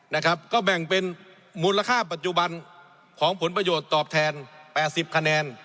นะครับก็แบ่งเป็นมูลค่าปัจจุบันของผลประโยชน์ตอบแทน๘๐คะแนน